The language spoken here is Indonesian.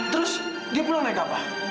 terus dia pulang naik apa